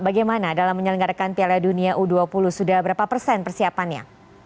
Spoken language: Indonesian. bagaimana dalam menyelenggarakan piala dunia u dua puluh sudah berapa persen persiapannya